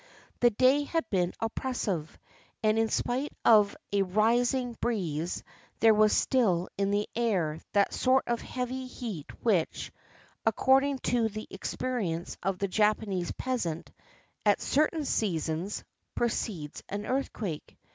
The day had been oppressive; and in spite of a rising breeze there was still in the air that sort of heavy heat which, according to the experience of the Japanese peasant, at certain seasons precedes an earthquake.